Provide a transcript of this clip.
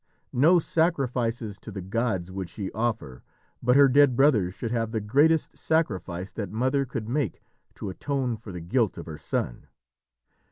No sacrifices to the gods would she offer, but her dead brothers should have the greatest sacrifice that mother could make to atone for the guilt of her son.